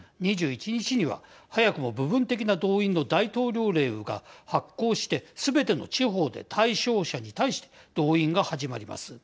２１日には、早くも部分的な動員の大統領令が発効してすべての地方で、対象者に対して動員が始まります。